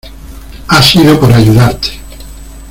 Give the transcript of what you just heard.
ha sido por ayudarte.